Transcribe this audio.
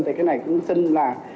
thì cái này cũng xin là